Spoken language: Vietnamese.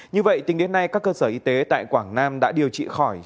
như vậy tính đến nay các cơ sở y tế tại quảng nam đã điều trị khỏi